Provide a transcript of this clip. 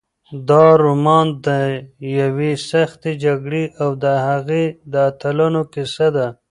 دا رومان د یوې سختې جګړې او د هغې د اتلانو کیسه ده.